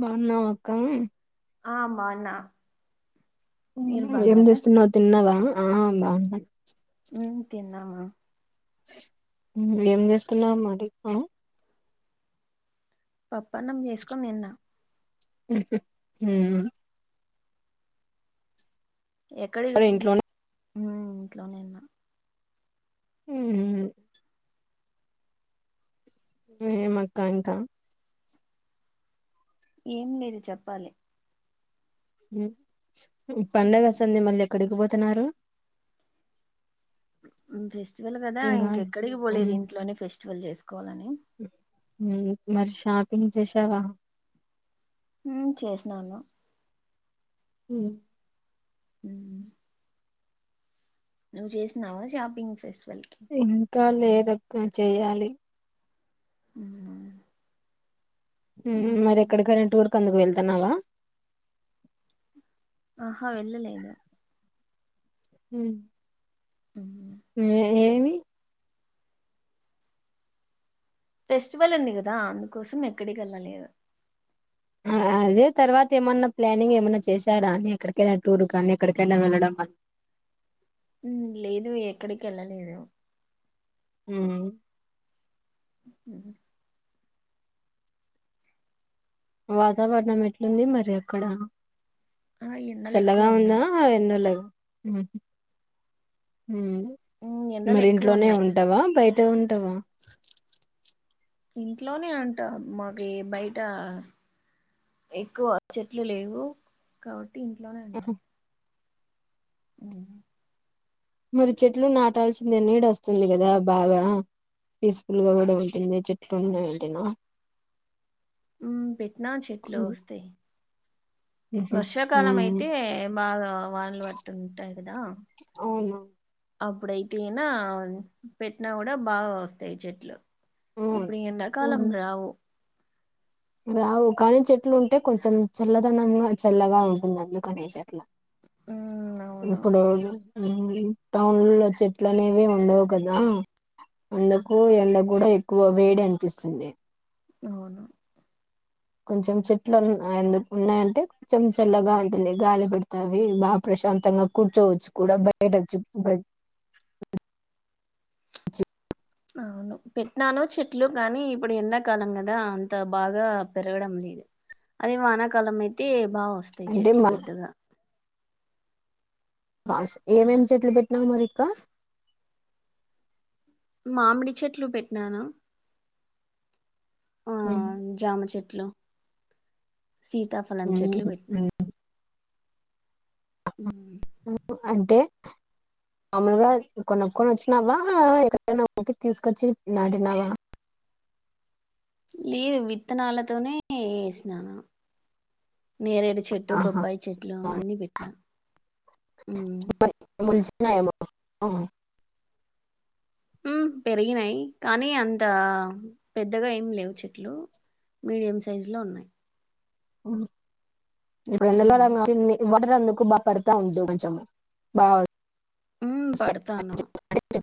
బావున్నావా అక్క ఆ బాన్నా ఏం చేస్తున్నావు తిన్నావా ఆ బావున్న ఉమ్ తిన్నామా ఏం చేస్తున్నావ్ మరి ఆ పప్పన్నం చేసుకొని తిన్న ఉహు హు ఎక్కడికి మరి పో ఇంట్లోనే హు ఇంట్లోనే ఉన్నా హ్మ్మ్ ఏమక్క ఇంకా ఏం లేదు చెప్పాలి హ్ ఉమ్, పండగస్తుంది మళ్ళ ఎక్కడికి బోతున్నారు ఫెస్టివల్ కదా ఇంకెక్కడికి పోలేదు ఇంట్లోనే ఫెస్టివల్ చేసుకోవాలని హ్మ్ మరి షాపింగ్ చేశావా ఉమ్ చేసినాను ఉహ్ మ్మ్ నువ్వు చేసినావా షాపింగ్ ఫెస్ట్ ఇంకా లేదక్క చేయాలి అ [inaudible] ఉమ్ మరి ఎక్కడికన్న టూర్ కందుకు వెళ్తున్నావా ఆహా వెళ్ళలేదు హ్ ఉమ్. ఏ ఏమి ఫెస్టివల్ ఉంది కదా అందుకోసం ఎక్కడికేళ్ళలేదు ఆ అదే తర్వాత ఏమన్నా ప్లానింగ్ ఏమన్నా చేశారా అని ఎక్కడికన్నా టూర్ కానీ ఎక్కడికైన వెళ్ళడం అహ్ హు లేదు ఎక్కడికెళ్ళలేదు ఉహ్ హ్ వాతావరణం ఎట్లుంది మరి అక్కడ ఆ ఎండలు చల్లగా ఎక్కువ ఉందా ఉన్నాయి ఎండలేనా ఉహ్ ఉమ్, ఎండలు మరి ఎక్కువ ఇంట్లోనే ఉన్నాయి ఉంటావా బయట ఉంటవా ఇంట్లోనే ఉంటా మాకీ బయిటా ఎక్కువ చెట్లు లేవు కావట్టి ఇంట్లోనే ఉంటా ఆహా. ఉహ్ మరి చెట్లు నాటాల్సిందే నీడోస్తుంది కదా బాగా పీస్ ఫుల్ గా కూడా ఉంటుంది చెట్లు ఉన్నాయి అంటేనా ఉమ్ పెట్టినా చెట్లు వస్తాయి వర్షాకాలం ఉమ్ అయితే బాగా వానలు పడుతుంటాయి కదా అవునా అప్పుడైతే నా పెట్టినా కూడా బాగా వస్తాయి చెట్లు ఉమ్ ఇప్పుడు ఎండా కాలం ఉమ్. రావు రావు కాని చెట్లు ఉంటే కొంచెం చల్లదనంగా చల్లగా ఉంటుంది అందుకు అనేసి అట్లా మ్మ్ అవును ఇంకొన్ని రోజులు మళ్ళీ టౌన్లో చెట్లు అనేవి ఉండవు కదా అందుకు ఎండక్ కూడా ఎక్కువ వేడి అనిపిస్తుంది అవును కొంచెం చెట్లు ఆ యందుకు ఉన్నాయంటే కొంచెం చల్లగా ఉంటుంది గాలి పెడతావి బా ప్రశం శాంతంగా కూర్చోవచ్చు కూడా బయటోచ్చి చె అవును పెట్టినాను చెట్లు కానీ ఇప్పుడు ఎండాకాలం కదా అంత బాగా పెరగడం లేదు అదే వానాకాలం అయితే బాగా వస్తాయి అంటే చెట్లు పెద్దగా కాస్ ఏమేం చెట్లు పెట్టినావు మరికా మామిడి చెట్లు పెట్టినాను ఆ జామ చెట్లు సీతాఫలం చెట్లు బెట్నా ఉహ్ [inaudible] మామూలుగా కొనుక్కొని వచ్చినవా ఎక్కడైనా ఒకటి తీసుకొచ్చి నాటినావా లేదు విత్తనాలతోనే వేసినా నేరేడు చెట్టు ఆహా బొప్పాయి చెట్లు అన్నీ పెట్టినా [inaudible] ఉ పెరిగినాయి కానీ అంత పెద్దగా ఏమి లేవు చెట్లు మీడియం సైజు లో ఉన్నాయి ఉ ఉమ్. [inaudible] వాటర్ అందుకు బాగా కొడతావ్ ఉండు కొంచెం బాగా ఊ వస్తాయి పడతాను [inaudible] [inaudible]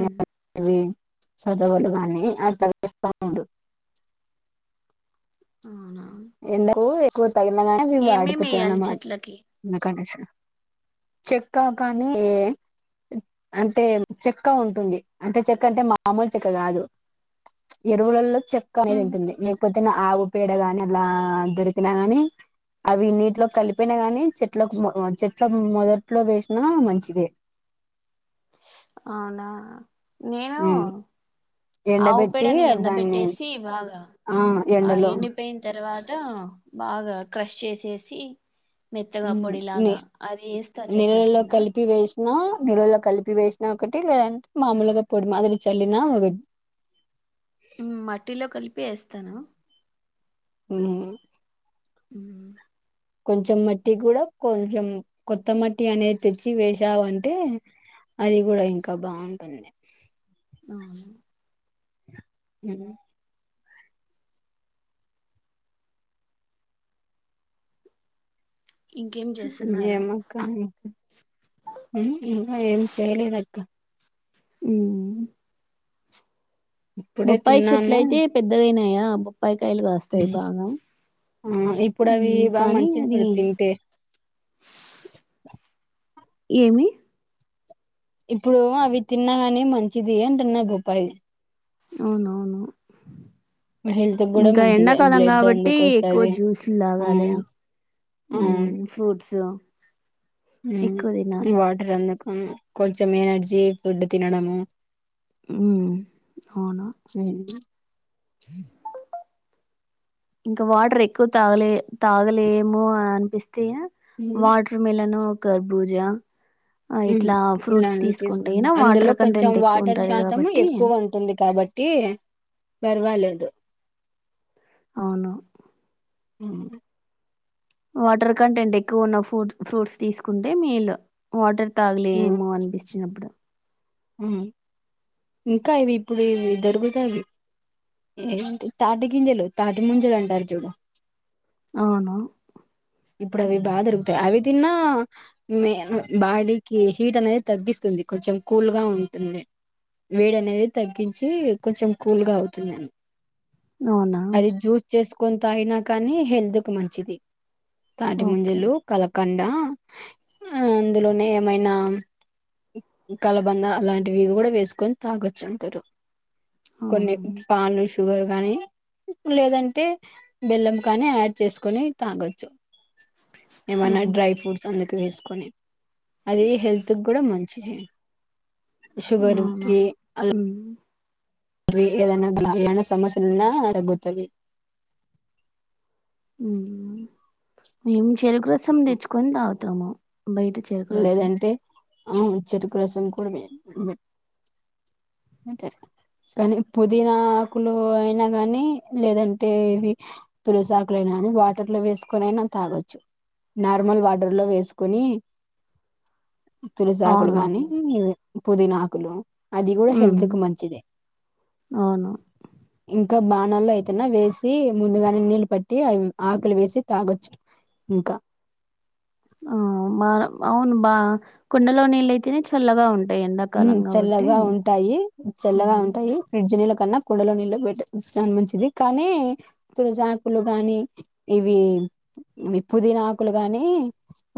ఉమ్, గాని అట్లా వేస్త ఉండు అవునా ఎండలు ఎక్కువ తగిలిన కానీ అవి ఏమేమి వాడిపోతాయ్ వేయాలి అనమాట చెట్లకి అందుకు అనేసి చెక్క కాని ఏ అంటే చెక్క ఉంటుంది అంటే చెక్క అంటే మామూలు చెక్క కాదు ఎరువులలో చెక్క అనేది ఉమ్, ఉంటుంది లేకపోతే ఆవు పేడ గాని అలా దొరికినా కాని అవి నీటిలోకి కలిపినా గానీ చెట్ల చెట్ల మొదట్లో వేసినా మంచిదే అవునా నేను ఆవు ఎండబెట్టి పేడను దాన్ని ఎండబెట్టేసి బాగా ఆ ఆ ఎండలో ఎండిపోయిన తర్వాత బాగా క్రష్ చేసేసి మెత్తగా ఊ ని పొడిలాగా అది ఏస్తా చెట్ల నీళ్ళల్లో కింద కలిపి వేసినా నీళ్లలో కలిపి పి వేసినా ఒకటే లేదంటే మామూలుగా పొడి మాదిరి చల్లిన ఒక ఊ మట్టిలో కలిపి వేస్తాను ఉ కొంచెం మట్టి కూడా కొంచెం కొత్త మట్టి అనేది తెచ్చి వేసావంటే అది కూడా ఇంకా బాగుంటుంది అవునా హు ఇంకేం చేస్తున్నారు ఏమో ఆక్క ఇంకా ఏం చేయలేదు అక్క ఊ ఇప్పుడే బొప్పాయి చెట్ల అయితే పెద్దగా అయినయా ఆ ఇప్పుడు అవి ఉమ్, బాగా కానీ మంచిది అది చుడు తింటే ఏమి ఇప్పుడు అవి తిన్నాగానీ మంచిది అంటున్న బొప్పాయి అవునవును హెల్త్ కూడా ఇంకా మంచిది ఎండాకాలం బ్లడ్ కాబట్టి అందుకు ఎక్కువ వస్తది జ్యూస్లు ఆ తాగాలే ఊ ఫ్రూట్స్ ఎక్కువ ఉ తినాలి వాటర్ అందుకు కొంచెం ఎనర్జీ ఫుడ్ తినడము ఉ అవునా ఇంకా వాటర్ ఎక్కువ తాగలే తాగలేము అని అనిపి తే మ్మ్ వాటర్ మిలన్, కర్బూజా ఆ ఉ ఇట్లా ఇలా ఫ్రూట్స్ అండి తీసుకో తీసుకుంటే గిన అందులో వాటర్ కొంచెం కంటెంట్ ఎక్కువ వాటర్ ఉంటది శాతం కాబట్టి ఎక్కువ ఉంటుంది కాబట్టి ట్టి పర్వాలేదు అవును అ వాటర్ కంటెంట్ ఎక్కువ ఉన్న ఫ్రూట్ ఫ్రూట్స్ తీసుకుంటే మేలు వాటర్ తాగలేము అనిపిచినప్పుడు ఆ ఇంకా ఇవి ఇప్పుడు ఇవి దొరుగుతవి ఏంటి తాటి గింజలు తాటి ముంజల అంటారు చూడు అవును ఇప్పుడు అవి బా దొరుకుతయి అవి తిన్నా మే అ బాడీకి హీట్ అనేది తగ్గిస్తు ది కొంచెం కూల్ గా ఉంటుంది వేడి అనేది తగ్గించి కొంచెం కూల్గా అవుతుంద అవునా అది జ్యూస్ చేసుకొని తాగినా కానీ హెల్త్ కి మంచిది తాటి ఓకే ముంజలు కలకండ ఆ అందులోనే ఏమైనా కలబంద అలాంటివివి కూడా వేసుకొని తాగొచ్చంటరు కొన్ని అవునా పానుష షుగర్ కానీ లేదంటే బెల్లం కానీ ఆడ్ చేసుకొని తాగొచ్చు ఏమన్నా ఆహా డ్రై ఫ్రూట్స్ అ వేసుకొని అది హెల్త్ కూడా మంచిది షుగర్ అవునా కీ అ ఉమ్ ఏదైనా గణమైన సమస్యలున్నా తగ్గుతువి మేము చెరుకు రసం తెచ్చుకొని తాగుతము బయట చేరుకు రసం అవును చెరుకు రసం కూడా మే అంటరు కానీ పుదీనాకులు అయినా గానీ లేదంటే ఇవి తులసాకులయినా కానీ వాటర్ లో వేసుకొనైనా తాగొచ్చు నార్మల్ వాటర్ లో వేసుకునీ తులసాకులు గానీ అవునవును పుదీనాకులు అది కూడా హెల్త్ ఉమ్ కు మంచిదే అవును ఇ క బాణల్లో అయితేనా వేసి ముందుగానే నీళ్ళు పట్టి అవి ఆకులు వేసి తాగొచ్చు ఇంకా ఆ బ అవును బా కుండలో నీళ్ళైతేనే చల్లగా ఉ ఉమ్ చల్లగా ఉంటాయి చల్లగా హ్మ్. ఉంటాయి ఫ్రిడ్జ్ నీళ్ళ కన్నా కుండలో నీళ్లే పెట్టే చాన మంచిది కానీ తులసాకులు గాని ఇవి పుదీనాకులు గానీ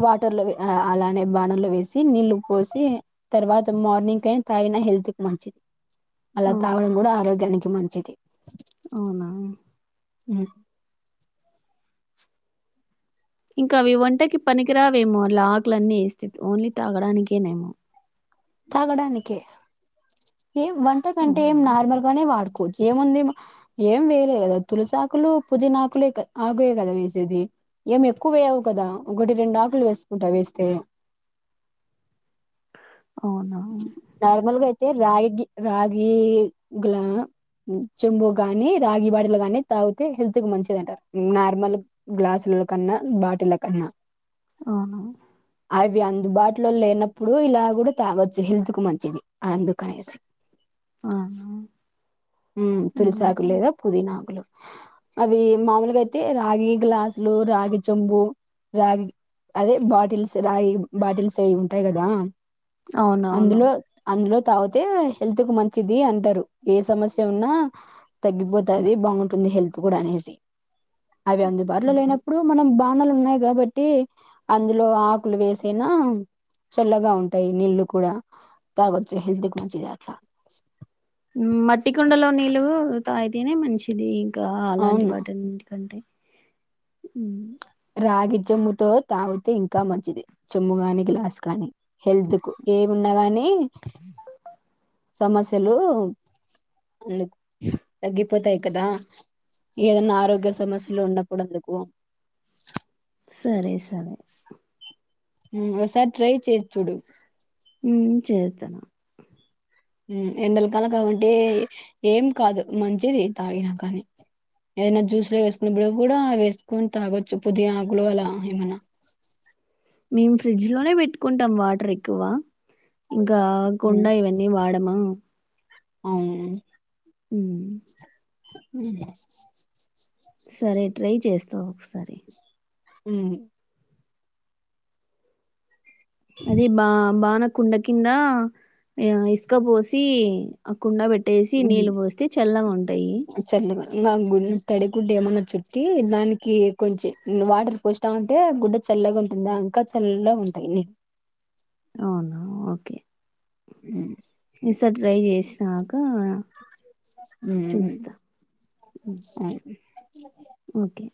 వాటర్ లో వే అలానే బాణర్ లో వేసి నీళ్ళు పోసి తర్వాత మార్నింగ్ అయినా తాగిన హెల్త్ కి మంచిది అలా తాగడం కూడా ఆరోగ్యానికి మంచిది ఉవునా ఉ ఇంకా అవి ఒంటకి పనికిరావేమో అలా ఆకులన్నీ ఏస్త ఓన్లీ తాగడానికేనేమో తాగడానికే ఏం వంట కంటే ఏం అవునా నార్మల్ గానే వాడు చి ఏముంది ఏం వేయలే కదా తులసాకులు పుజనాకులు క ఆగుయే కదా వేసేది ఏమి ఎక్కువ వేయవు కదా ఒకటి రెండు ఆకులు వేసుకుంటా వేస్తే [inaudible] అవునా చ్ నార్మల్గా అయితే రాగి రాగీ గులా చెంబు గానీ రాగి బాటిల్ లో గాని తాగుతే హెల్త్ కి మంచిది అంటారు నార్మల్ గ్లాసులు కన్నా బాటిల కన్నా అవును అవి అందుబాటులో లేనప్పుడు ఇలా కూడా తాగొచ్చు హెల్త్ కు మంచిది అందుకనేసి అవునా? ఉ తులసాకులు హుహు. లేదా పుదీనాకులు అవి మామూలుగా అయితే రాగి గ్లాసులు రాగి చొంబు రాగి అదే బాటిల్స్ రాగి బాటిల్స్ అవి ఉంటాయి కదా అవునవును అందులో అందులో తాగుతే హెల్త్ కు మంచిది అంటరు ఏ సమస్య ఉన్నా తగ్గిపోతది బాగుంటుంది హెల్త్ కూడా అనేసి అవి అందుబాటులో హ్మ్. లేనప్పుడు మనం బా లు ఉన్నాయి కాబట్టి అందులో ఆకులు వేసేనా చల్లగా ఉ అయి నీళ్ళలు కూడా తాగొచ్చు హెల్త్కి మంచిది అట్లా మట్టి కుండలో నీళ్ళు తాగితనే మంచిది ఇంకా అలాంటి అవును వాటికంటే ఉ రాగి చెంబుతో తాగితే ఇంకా మంచిది చెంబు గాని గ్లాస్ గాని హెల్త్ కు ఏమున్నాగాని సమస్యలు అ తగ్గిపోతాయి కదా ఏదైన్నా ఆరోగ్య సమస్యలు ఉన్నప్పుడందుకు సరే సరే ఉమ్ ఒకసారి ట్రై చేసి చూడు ఉ చేస్తా ఎండలకాల కాబట్టి ఏం కాదు మంచిది తాగిన కానీ ఏదైనా జ్యూస్లో వేసుకున్నప్పుడు కూడా వేసుకొని తాగొచ్చు పుదీనాకులు అలా ఏమన్నా మేము ఫ్రిడ్జ్ లోనే పెట్టుకుంటాం వాటర్ ఎక్కువ ఇంకా ఉమ్, గుండా ఇవన్నీ వాడమా అవును ఉ ఉ సరే ట్రై చేస్తా ఒకసారి ఉ అదే బా బాన కుండ కింద ఇసుక పోసి ఆ కుండ పెట్ ఉమ్ చలగ తడి గుడ్డ ఏమన్న చుట్టి దానికి కొంచెం వాటర్ పోసావంటే గుడ్డ చల్లగా ఉంటుంది ఇంకా చల్లగా ఉ టది అవునా ఓకే ఉ ఇసారి ట్రై చేస్తా ఆగు ఉ ఉమ్, అ ఓకే